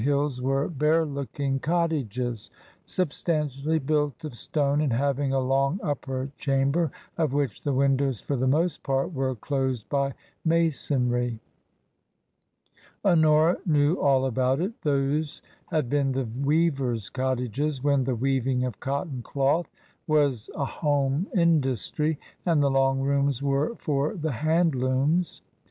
39 hills were bare looking cottages substantially built of stone and having a long upper chamber, of which the windows for the most part were closed by masonry. Honora knew all about it Those had been the weavers* cottages when the weaving of cotton cloth was a home industry, and the long rooms were for the hand looms.